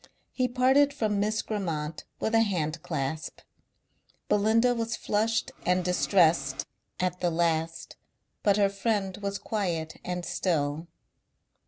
He parted from Miss Grammont with a hand clasp. Belinda was flushed and distressed at the last but her friend was quiet and still.